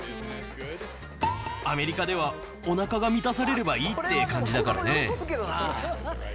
アメリカでは、おなかが満たされればいいって感じだからね。